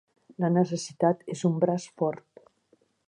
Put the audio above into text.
La necessitat és un braç fort.